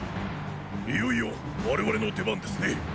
いよいよ我々の出番ですね。